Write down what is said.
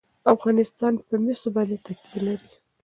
افغانستان په مس باندې تکیه لري.